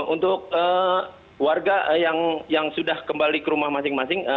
untuk warga yang sudah kembali ke rumah masing masing